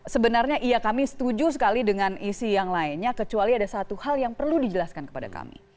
sebenarnya iya kami setuju sekali dengan isi yang lainnya kecuali ada satu hal yang perlu dijelaskan kepada kami